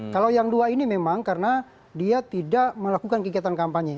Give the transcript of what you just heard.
kalau yang dua ini memang karena dia tidak melakukan kegiatan kampanye